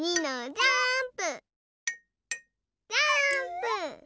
ジャーンプ！